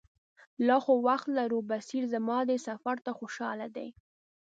لا خو وخت لرو، بصیر زما دې سفر ته خوشاله دی.